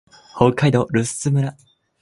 北海道留寿都村